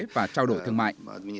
và trao đổi thương mại